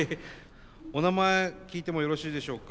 お名前聞いてもよろしいでしょうか？